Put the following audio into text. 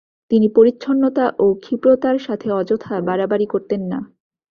তিনি পরিচ্ছন্নতা ও ক্ষীপ্রতার সাথে অযথা বাড়াবাড়ি করতেন না।